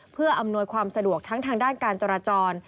เพื่ออำนวยความสะดวกทั้งทางด้านการจราจร